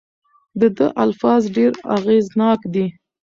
د ده الفاظ ډېر اغیزناک دي.